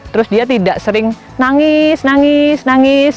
terus dia tidak sering nangis nangis